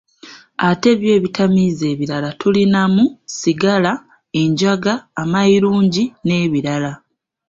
Ate byo ebitamiiza ebirala tulinamu, sigala, enjaga, amayirungi n'ebirala.